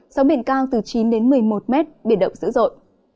sóng biển cao từ chín một mươi một m biển động dữ dội